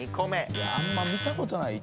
いやあんま見たことないよ